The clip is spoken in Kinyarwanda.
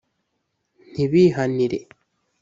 ntibihanire